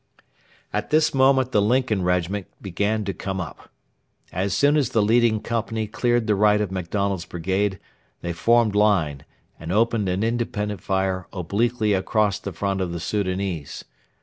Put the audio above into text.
At this moment the Lincoln Regiment began to come up. As soon as the leading company cleared the right of MacDonald's brigade, they formed line, and opened an independent fire obliquely across the front of the Soudanese.